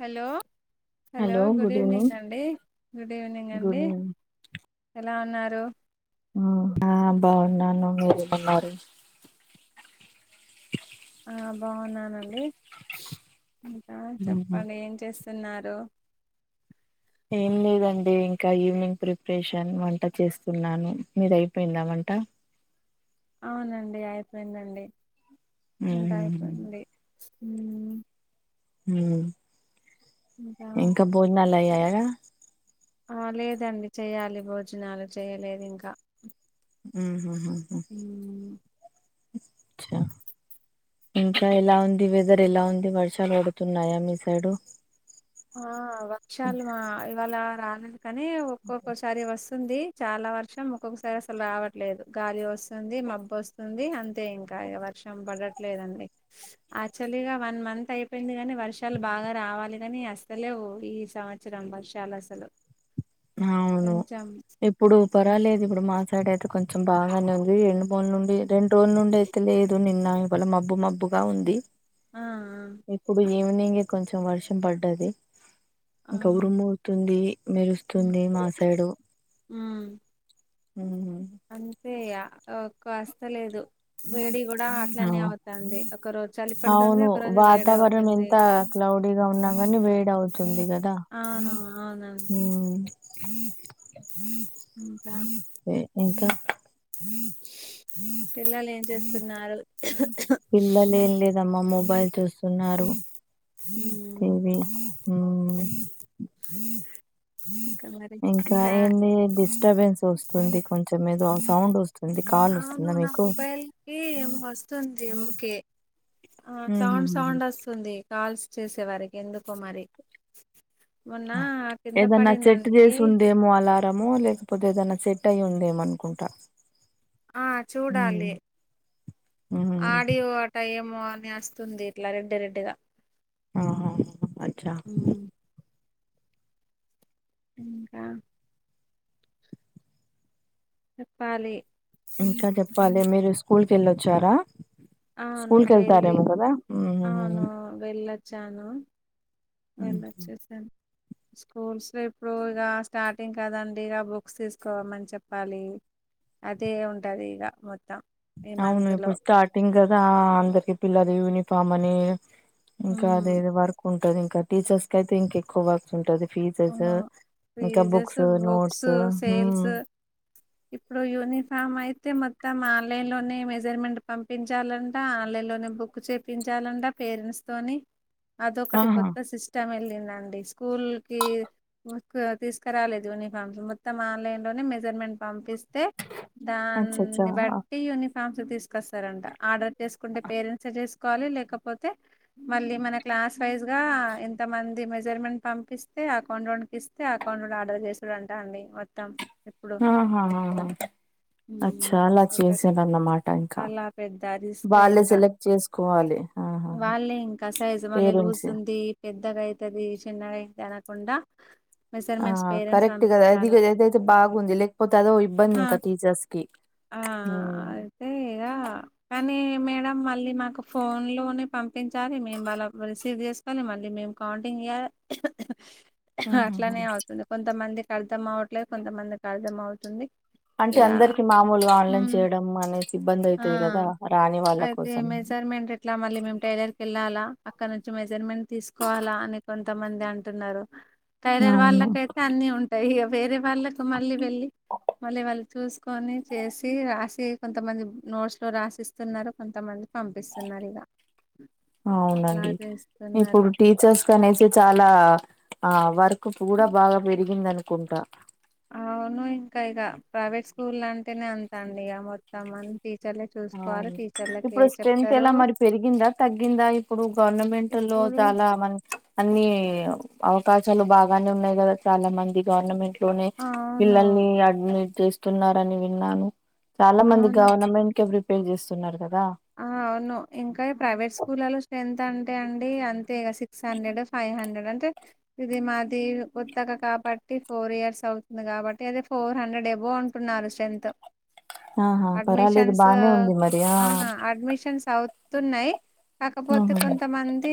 Hello hello good evening అండి good evening good అండి. Evening ఎలా ఉన్నారు ఆ బాగున్నాను మీరు ఎలా ఉన్నారు ఆ బావున్నానండి ఇంకా చెప్పాలి ఏం చేస్తున్నారు ఏం లేదండి ఇంకా ఈవినింగ్ ప్రిపరేషన్ వంట చేస్తున్నాను మీది అయిపోయిందా వంట అవునండి అయిపోయిందండి వంట ఉమ్. అయిపోయింది మ్ ఇంకా భోజనాలు అయ్యయా ఆ లేదండి చెయ్యాలి భోజనాలు చేయలేదు ఇంకా ఉమ్ ఉమ్ ఇంట్లో ఎలా ఉంది వెదర్ ఎలా ఉంది వర్షాలు పడుతున్నాయా మీ సైడు ఆ వర్షాలు మా ఇవాళ రాలేదు కానీ ఒక్కొక్క ఒక సారి వస్తుంది చాలా వర్షం ఒక్కొక్కసారి అసలు రావట్లేదు గాలి వస్తుంది మబ్బు వస్తు ఉంది అంతే ఇంకా వర్షం పడట్లేదండి. యాక్చువల్లిగా వన్ మంత్ అయిపోయింది గాని వర్షాలు బాగా రావాలి గాని వస్త లేవు ఈ సంవత్సరం వర్షాలు అసలు అవును కొంచెం ఇప్పుడు పర్వలేదు ఇప్పుడు మా సైడ్ అయితే కొంచెం బాగానే ఉంది రెండు బొన్లు ఉండి రెండు రోజుల నుండి తెలీదు నిన్న ఇవాళ మబ్బు మబ్బుగా ఉంది ఆ అ ఇప్పుడు ఈవినింగే కొంచెం వర్షం పడ్డది ఆ ఆ ఇంకా ఉరుముతుంది మెరుస్తు తుంది మా సైడు ఆ మ్మ్ అంతే ఇగ ఒక్క వస్త లేదు వేడి గూడ ఆ అట్లనే అవుతాంది ఒక రోజు చలి పెడుతుంది అవును ఒక రోజు వేడి వాతావరణం అవుతుంది ఎంత క్లౌడీగా ఉన్నా కాని వేడి అవుతుంది కదా అవునా అవునా ఉమ్ ఇంకా ఏ పిల్లలు ఏం చేస్తున్నారు పిల్లలేం లేదమ్మా మొబైల్ చూస్తున్నారు హ్మ్ టీవీ మ్ ఇంకా మరి ఇంకా ఇకా ఏంది డిస్టర్బెన్స్ వస్తుంది కొంచెం ఏదో సౌండ్ వస్తుంది కాల్ ఆ వస్తుందా నువ్వు నా మీకు మొబైల్ ఏ ఏమో వస్తుంది ఓకే ఆ సౌండ్ సౌండ్ వస్తు తుంది కాల్స్ చేసేవారికి ఎందుకో మరి మొన్న కింద ఏదన్నా సెట్ పడిందంటే చేసిందేమో అలా డెమో లేకపోతే ఏదైనా సెట్ అయి ఉందె మనుకుంటా ఆ చూడాలి హ్మ్ ఆడియో అ టైము అని వస్తుంది ఇట్ల రెడ్ రెడ్ గా ఆహా అట్లా ఇంకా చెప్పాలి ఇంకా చెప్పాలి మీరు స్కూల్ కెల్లోచ్చారా అవును స్కూల్ చెల్లి కళ్తారెమో కదా అవును వెళ్ళొచ్చాను హ్మ్. వెళ్ళొచ్చేసాను స్కూల్స్లో ఇప్పుడు ఇక స్టార్టింగ్ కదండి ఇగ బుక్స్ తీసుకోవమని చెప్పాలి అదే ఉంటది ఇగ మొత్తం ఈ అవును మంత్ లో ఇప్పుడు స్టార్టింగ్ గదా అందరికి పిల్లలు యూనిఫార్మ్ అని ఇంకా అదే ఉమ్, వర్క్ ఉంటది ఇంకా టీచర్స్ కి అయితే ఇంకె కోవాల్సి ఉంటది ఆ, ఫీజెస్ ఇంకా ఫీజెస్ బుక్స్ బుక్స్ నోట్స్ హ్మ్ సేల్స్ ఇప్పుడు యూనిఫామ్ అయితే మొత్తం ఆన్లైన్ లోనే మెజర్మెంట్ పంపి చెప్పించాలంట ఆన్లైన్ లోనే బుక్ చేయిచాలంట పేరెంట్స్ తోని అదొకటి ఆహా! కొత్త సిస్టమ్ ఏళ్ళిందండి స్కూల్ కి తీసుకురాలేదు యూనిఫామ్స్ మొత్తం ఆన్లైన్ లోనే మెజర్మెంట్ పంపిస్తే అచ్చచ్చా! దాన్ని బట్టి యూనిఫామ్ ఫ్యాన్సీ తీసుకొస్తారంట ఆర్డర్ చేసుకుంటే పేరెంట్సే చేసుకోవాలి లేకపోతే మళ్ళీ మన క్లాస్ వైజ్ గా ఎంత మంది మెజర్మెంట్ పంపిస్త తే అకౌంటోన్ ఇస్తే అకౌంటోన్ ఆర్డర్ చేస్తాడు అంటా అండి మొత్తం ఆహా హ హ హ మ్ ఇంకా. అలా పెద్ద రిస్క్ వాళ్ళే ఇంకా సెలెక్ట్ చేసుకోవాలి. ఆహాహా! వాళ్ళే ఇంకా సైజు మళ్ళీ లూజ్ పేరెంట్సే. ఉంది పెద్దగా అయితది చిన్నగా అయితది అనకుండా ఆ మెజర్మెంట్స్ పేరెంట్స్ కరెక్ట్ కదా అది పంపించాలి ఏదైతే బాగుంది లేకపోతే అదో ఇబ్బంది ఆ ఇంకా టీచర్స్ కి ఆ అయితే ఇగ కానీ మేడం మళ్ళీ మాకు ఫోన్ లోనే పంపించాలి మేము వాళ్లవి రిసీవ్ చేసుకోవాలి కానీ మళ్ళీ మేము కౌంటింగ్ చేయాలి ఉహుహు అట్లానే అవుతుంది కొంతమందికి అర్థం అవట్లేదు కొంతమందికి అర్థం అవుతుంది అంటే ఇగ అందరికి మామూలుగా ఆన్లైన్ చేయడం అనేసి సిబ్బంది అవుతది ఆ కదా రాని వాళ్ళ కోసం ఇట్లా మళ్ళీ మేం టైలర్ కి ఏళ్ళాలా అక్కడ నుంచి మెజర్మెంట్ తీసుకోవాలా అని కొంతమంది అం అంటున్నారు టైలర్ అవును వాళ్ళకయితే అన్ని ఉంటాయి ఇగ వేరే వాళ్ళకు మళ్ళీ వెళ్ళి మళ్ళీ వాళ్ళు చూసుకొని చేసి రాసి కొంతమంది నోట్స్ లో రాసిస్తున్నారు కొంతమంది పంపిస్తున్నారు ఇగ ఇట్లా అవునండి చేస్తున్నారు ఇప్పుడు టీచర్స్ క అనేసి చాలా ఆ వర్క్ కూడా బాగా పెరిగింది అనుకుంటా అవును ఇంకా ఇక ప్రైవేట్ స్కూల్ అంటేనే అంత అండి ఇగ మొత్తం అ టీచర్లే చు చూసుకోవాలె అవును ఇప్పుడు స్ట్రెంగ్త్ ఎలా మరి పెరిగిందా తగ్గిందా ఇప్పుడు గవర్నమెంట్ లో ఇప్పుడు చాలా మం అన్నీ అవకాశాలు బాగానే ఉన్నాయి కదా చాలా మంది గవర్నమెంట్ లోనే అవును పిల్లల్ని అడ్మిట్ చేస్తున్నారని విన్నాను చాలా మంది అవునా గవర్నమెంట్ ఊకె రిపేర్ చేస్తున్నారు కదా ఆ అవును ఇంకా ప్రైవేట్ స్కూల్లో స్ట్రెంగ్త్ అంటే అండి అంతే సిక్స్ హండ్రెడ్ ఫైవ్ హండ్రెడ్ అంటే ఇది మాది కొత్తగా కాబట్టి ఫోర్ ఇయర్స్ అవుతుంది కాబట్టి అది ఫోర్ హండ్రెడ్ ఎబోంటు ఉన్నారు స్ట్రెంగ్త్ ఆహా పర్వాలేదు బానే ఉంది మరి ఆ అడ్మిషన్స్ అవుతున్నాయి కాకపోతే ఉహు. కొంతమంది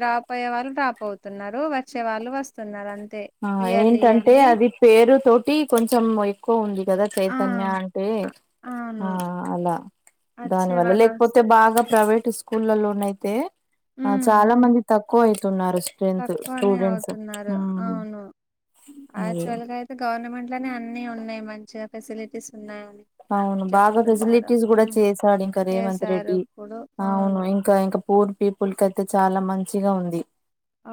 డ్రాప్ అయ్యే వాళ్ళు డ్రాప్ అవుతున్నారు వచ్చే వాళ్ళు వస్తున్నారు అంతే ఆ ఇయర్లీ ఏంటంటే ఇయర్లీ అది పేరు తోటి కొంచెం ఎక్కువ ఉంది కదా ఆ చైతన్య అంటే అ- ఆ అవును అలా దాని వచ్చే వల్ల వాళ్ళు వస్- లేకపోతే బాగా ప్రైవేట్ స్కూళ్లలోనయితే ఆ ఉమ్ చాలా ఉమ్ మంది తక్కువ అయితున్నారు స్ట్రెంత్ తక్కువనే స్టూడెంట్స్ అవుతున్నారు అవును అదే యాక్చువల్ గా అయితే గవర్నమెంట్ లోనే అన్నీ ఉన్నాయి మంచిగా ఫెసిలిటీస్ ఉన్నాయ్ అవును బాగా ఫెసిలిటీస్ కూడా చేశాడు ఇంకా రేవంత్ చేశారు రెడ్డి ఇప్పుడు అవును ఇంక ఇంకా పూర్ పీపుల్ కయితే చాలా మంచిగా ఉంది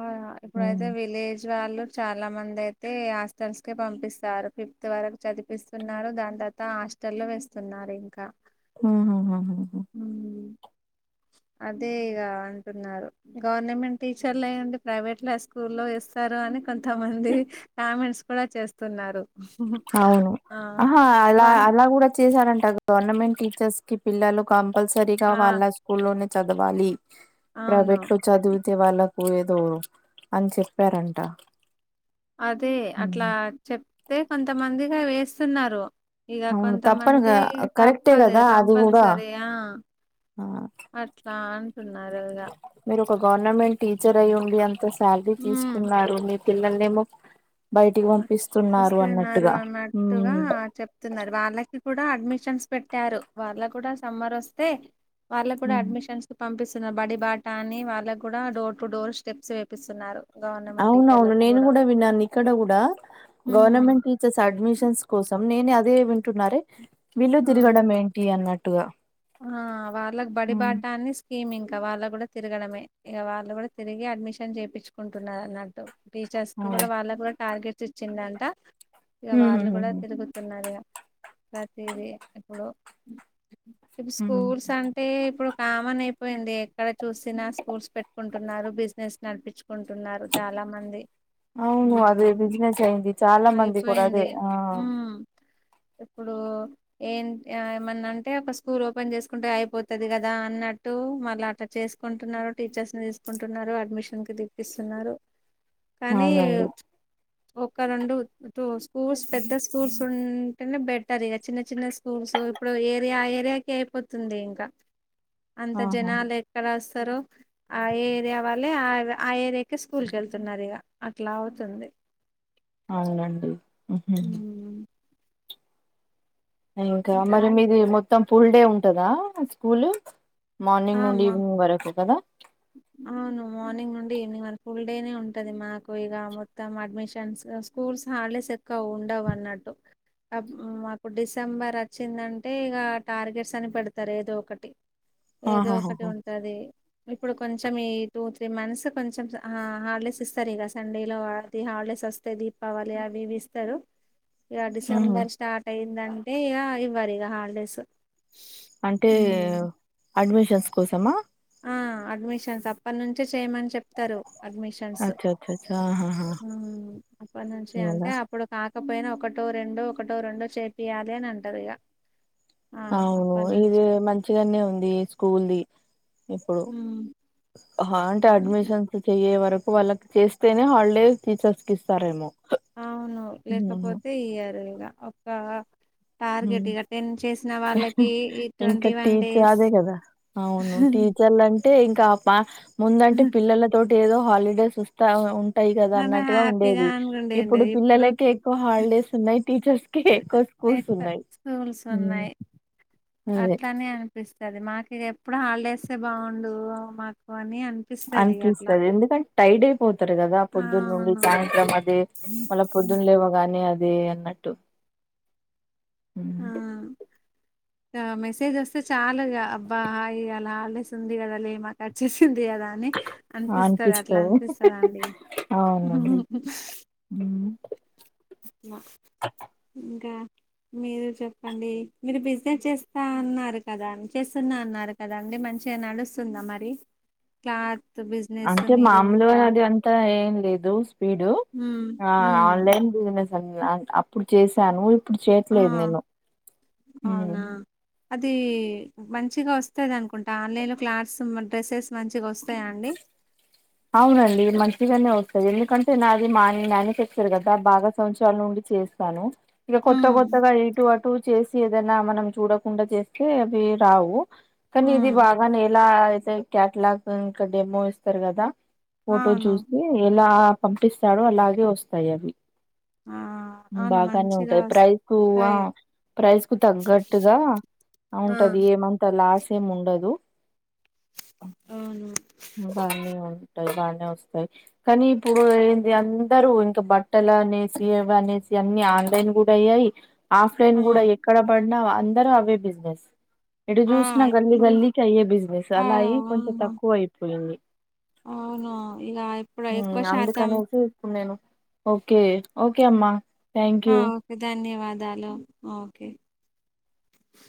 ఆ ఇప్పుడైతే ఉమ్ విలేజ్ వాళ్ళు చాలా మంది అయితే హాస్టల్స్ కి పంపిస్తారు ఫిఫ్త్ వరకు చదిపిస్తున్నారు దాని తర్వాత హాస్టల్ లో వేస్తున్నారు ఇంకా ఉమ్ అదే ఇగ అంటున్నారు గవర్నమెంట్ టీచర్లు అయుండి ప్రైవేట్ లో స్కూల్లో వేస్తారు అని కొంతమంది కామెంట్స్ కూడా చేస్తున్నారు అవును ఆ ఆహా అలా వా అలా కూడా చేశారంట గవర్నమెంట్ టీచర్స్ కి పిల్లలు కంపల్సరీగా ఆ వాళ్ళ స్కూల్లోనే చదవాలి అవును ప్రైవేట్ లో చదివితే వాళ్ళకు ఏదో అని చెప్పారంట అదే అట్లా ఉమ్. చెప్తే కొంతమందిగా వేస్తున్నారు ఇక అవును కొంతమంది తప్పనుగా కరెక్టే తప్పదు కదా అది కూడా కంపల్సరియా ఆ అట్లా అంటున్నారు ఇగ మీరు ఒక గవర్నమెంట్ టీచర్ అయ్యుండి అంత శాలరీ హ్మ్. తీసుకున్నారు మీరు పిల్లల్ నేమో బయటికి పంపిస్తున్నారు అన్నట్టుగా ఉమ్ స్తున్నారు వాళ్ళకి కూడా అడ్మిషన్స్ పెట్టారు వాళ్ళ కూడా సమ్మర్ వస్తే వాళ్లు కూడా ఉమ్ అడ్మిషన్స్ పంపిస్తున్నారు బడి బాట అని వాళ్ళకి కూడా డోర్ టు డోర్ స్టెప్స్ వేపిస్తున్నారు గవర్నమెంట్ అవునవును టీచర్లకు నేను కూడా విన్నాను ఇక్కడ కూడా హ్మ్. గవర్నమెంట్ టీచర్స్ అడ్మిషన్స్ కోసం నేనే అదే వింటున్నారే వీళ్లు ఆ తిరగడం ఏంటి అన్నట్టుగా ఆ వాళ్ళకి బడి బాటా అని స్కూ స్కీమ్ ఇంకా వాళ్లు కూడా తిరగడమే ఇక వాళ్ళు కూడా తిరిగి అడ్మిషన్ చేయించుకుంటున్నారు అన్నట్టు టీచర్స్ కి కూడా ఉహుహుహు వాళ్ళకు కూడా టార్గెట్స్ ఇచ్చిందంట ఇక అవును వాళ్ళు కూడా హుహుహుహు. తిరుగుతున్నారు ఇక ప్రతి డే ఇప్పుడు ఇప్పుడు హ్మ్. స్కూల్స్ అం అంటే ఇప్పుడు కామన్ అయిపోయింది ఎక్కడ చూసినా స్కూల్స్ పెట్టుకుంటున్నారు బిజినెస్ నడిపించుకుంటున్నారు చాలా మంది అవును. అదే బిజినెస్ అయింది చాలా ఉమ్ మంది కూడా అయిపోయింది అదే ఆ ఉమ్ ఇప్పుడు ఏం ఏమన్నాంటే ఫస్ట్ స్కూల్ ఓపెన్ చేసుకుంటే అయిపోతది గదా అన్నట్టు మళ్ళ అట్లా చేసుకుంటున్నారు టీచర్స్ ని తీసుకు కుంటున్నారు అడ్మిషన్ కి తిప్పిస్తున్నారు కానీ అవునండి ఒక రెండు టు స్కూల్స్ పెద్ద స్కూల్స్ ఉన్ అంటనే బెటర్ ఇగ చిన్న చిన్న స్కూల్స్ ఇప్పుడు ఏరియా ఏరియాకి అయిపోతుంది ఇంకా అంత ఆహా జనాలు ఎక్కడ వస్తారొ ఆ ఏరియా వాళ్ళే ఆ ఆ ఏరియాకి స్కూలుకి వెళ్తున్నారు ఇగ అట్లా అవుతుంది అవునండి హ్మ్ ఇంకా మరి మీది మొత్తం ఫుల్లడే ఉంటదా స్కూలు మార్నింగ్ నుండి ఆమా ఈవినింగ్ వరకు కదా అవును మార్నింగ్ నుండి ఈవినింగ్ వరకు ఫుల్ డేనే ఉంటది మాకు ఇగ మొత్తం అడ్మిషన్స్ స్కూల్స్ హోలీడేస్ ఎక్కువ ఉండవు అన్నట్టు మాకు డిసెంబర్ వచ్చిందంటే ఇగ టార్గెట్స్ అని పెడతారు ఏదో ఒకటి ఏదో ఆహాహా ఒకటి ఉంటది ఇప్పుడు కొంచెం ఈ టూ త్రీ మంత్స్ కొంచెం హాలిడేస్ ఇస్తారు ఇగ సండే లో అది హాలిడేస్ వస్త దీపావళి అవివి ఇస్తారు ఇగ ఉహు డిసెంబర్ స్టార్ట్ అయ్యిందంటే ఇగ ఇవ్వరు ఇగ హాలిడేస్ అంటే అడ్మిషన్స్ కోసమా ఆ అడ్మిషన్స్ అప్పటి నుంచే చేయమని చెప్తారు అడ్మిషన్ షన్స్ అచ్చ అచ్చ అచ్చ ఆహాహా హ్మ్ అప్పటి నుంచి అలా అంటే అప్పుడు కాకపోయినా ఒకటో రెండు ఒకటో రెండు చేపియాలి అని అంటారు ఇగా అవును ఇది మంచిగానే ఉంది స్కూల్ ది ఇప్పుడు హ్మ్ హంటే అట్లా అడ్మిషన్స్ చెయే వరకు వాళ్ళకి చేస్తేనే హాలిడే టీచర్స్ కే ఇస్తారేమో అవును హ్మ్. లేకపోతే ఇయారు ఇగా ఒక టార్గెట్ హ్మ్. ఇగా టెన్ చేసిన వాళ్ళకి ఈ ఇంకా ట్వంటీ వన్ టీచర్ డేస్ అదే కదా అవును టీచర్లు అంటే ఇంకా బా ముందంటే పిల్లలతోటి ఏదో హాలిడేస్ ఇస్ ఉంటాయి కదా చానా అన్నట్టుగా హ్యాపీగా ఉండేది అనుకుంటుండే ఇప్పుడు పిల్లలకే ఎక్కువ హాలిడేస్ ఉన్నాయి టీచర్స్ కి ఎక్కువ స్కూల్స్ ఉన్నాయి స్కూల్స్ హ్మ్. ఉన్నాయి అదే అట్లనే అని చూపిస్తది మాకు ఎప్పుడు హాలిడేస్ బాగుండు మాకు అని అనిపిస్తది ఎందుకంటే టైర్డ్ అయిపోతారు కదా పొద్దున్న నుండి అవును సాయంత్రం అది మల పొద్దున లేవగానే అది అనట్టు ఆ గా మెసేజ్ వస్తే చాలుగా అబ్బా హాయి ఆయాల హాలిడేస్ ఉంది కదా లే మాక్ వాచ్చేసింది కదా అని అనిపిస్తది అట్లా అనిపిస్తది అండి అవునండి హ్మ్ మ ఇంకా మీరే చెప్పండి మీరు బిజినెస్ చేస్తా అన్నారు కదా చేస్తున్న అన్నారు కాదండి మంచిగా నడుస్తుందా మరి క్లాత్ బిజినెస్ అంటే మీరు మామలుగా ఇంకా అది అంతా ఏం లేదు స్పీడ్ హ్మ్ హ్మ్ బిజినెస్ ఆన్ [unintelligible] అప్పుడు చేసాను ఇప్పుడు ఆ చేయట్లేదు నేను అవునా అది మంచిగా వస్తది అనుకుంటా ఆన్లైన్లో క్లాత్స్ డ్రెస్సెస్ మంచిగా వస్తాయా అండి అవునండి మంచిగానే వస్తాయి ఎందుకంటే నాది మా మనుఫ్యాక్చర్ కదా బాగా సంవత్సరాల నుండి చే స్థాను ఇగా కొత్త ఉమ్ కొత్తగా ఇటు అటు చేసి ఏదైనా మనం చూడకుండా చేస్తే అవి రావు కానీ ఇది ఉమ్ బాగానే ఎలా అయితే క్యాటలాగ్ ఇంకా డెమో ఇస్తారు కదా ఫోటో అవును చూసి ఎలా పంపిస్తారొ అలాగే వస్తాయి అవి ఆ అవును బాగానే మంచిగా ఉంటాయి ప్రైస్ కు ఆ వస్తాయి ప్రైస్ కు తగ్గట్టుగా అవుంటది ఏమంతా లాస్ ఏమి ఉండదు అవును గానే ఉంటాయి బాగానే వస్తాయి కానీ ఇప్పుడు ఏంది అందరు ఇంకా బట్టలు అనేసి అవేయి అనేసి అన్ని ఆన్లైన్ కూడా అయయి ఆఫ్లైన్ ఆ కూడా ఎక్కడ పడినా అందరు అవే బిజినెస్ ఎటు ఆ చూసినా గల్లీ ఇప్పుడు గల్లీకి అయ్యే బిజినెస్ ఆ అలా అయ్యి కొంచెం తక్కువ అయిపోయింది. అవునా ఇగ ఇప్పుడు ఉమ్, ఎక్కువ శాతం అందుకనేసి నేను ఓకే ఓకే అమ్మా ఆ థ్యాంక్యూ. ధన్యవాదాలు ఓకే.